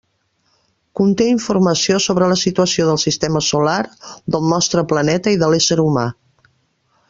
Conté informació sobre la situació del sistema solar, del nostre planeta i de l'ésser humà.